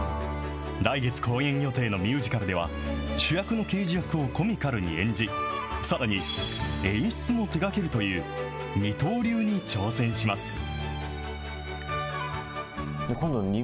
来月公演予定のミュージカルでは、主役の刑事役をコミカルに演じ、さらに演出も手がけるという二刀流に挑戦します。